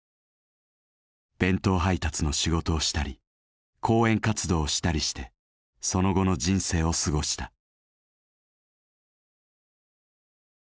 弁当配達の仕事をしたり講演活動をしたりしてその後の人生を過ごした。